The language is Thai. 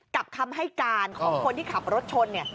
กับคำให้การของคนที่ขับรถชน